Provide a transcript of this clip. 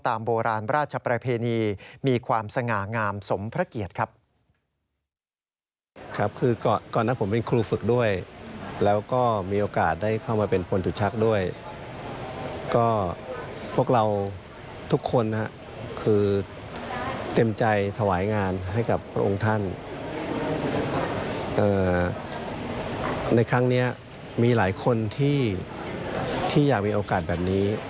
โบราณราชประเพณีมีความสง่างามสมพระเกียรติครับ